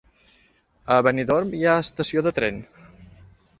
A Benidorm hi ha estació de tren?